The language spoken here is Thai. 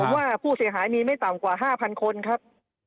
ว่าผู้เสียหายมีไม่ต่ำกว่า๕๐๐คนครับ